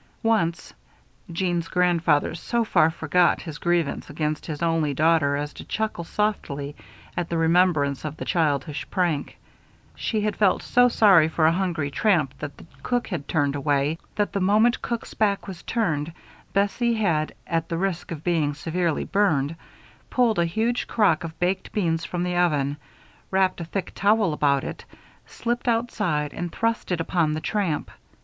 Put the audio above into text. Once (Jeanne's grandfather so far forgot his grievance against his only daughter as to chuckle softly at the remembrance of the childish prank) she had felt so sorry for a hungry tramp that the cook had turned away, that the moment cook's back was turned Bessie had, at the risk of being severely burned, pulled a huge crock of baked beans from the oven, wrapped a thick towel about it, slipped outside, and thrust it upon the tramp.